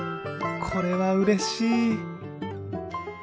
これはうれしい！